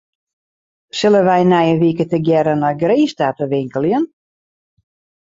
Sille wy nije wike tegearre nei Grins ta te winkeljen?